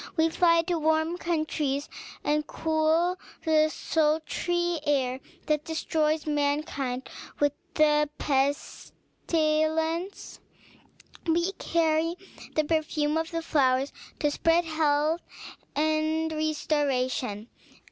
We fly to warm countries, and cool the sultry air that destroys mankind with the pestilence. We carry the perfume of the flowers to spread health and restoration.